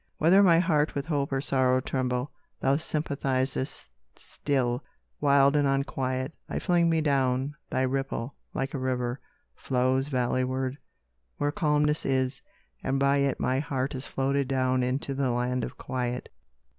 Whether my heart with hope or sorrow tremble, Thou sympathizest still; wild and unquiet, I fling me down; thy ripple, like a river, Flows valleyward, where calmness is, and by it My heart is floated down into the land of quiet.